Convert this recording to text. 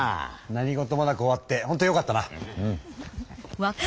何事もなく終わってほんとよかったな。